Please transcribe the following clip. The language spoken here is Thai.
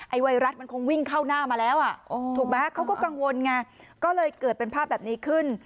ไวรัสมันคงวิ่งเข้าหน้ามาแล้วอ่ะถูกไหมเขาก็กังวลไงก็เลยเกิดเป็นภาพแบบนี้ขึ้น